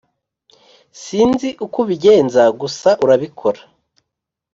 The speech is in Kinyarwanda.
Sinzi uko ubigenza gusa urabikora